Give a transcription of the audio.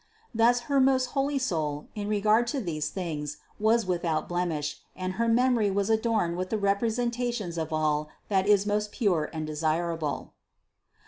Thus her most holy soul, in regard to these things, was without blemish, and her memory was adorned with the representations of all that is most pure and desirable.